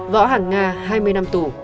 võ hằng nga hai mươi năm tù